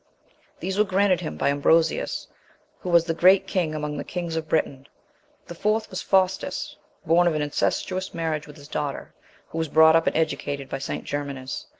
These were granted him by Ambrosius, who was the great king among the kings of Britain. The fourth was Faustus, born of an incestuous marriage with his daughter, who was brought up and educated by St. Germanus.